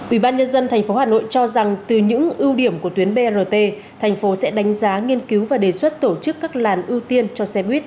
ubnd tp hà nội cho rằng từ những ưu điểm của tuyến brt thành phố sẽ đánh giá nghiên cứu và đề xuất tổ chức các làn ưu tiên cho xe buýt